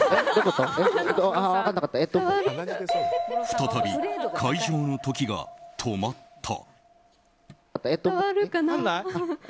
再び会場の時が止まった。